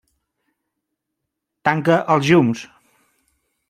Tanca els llums.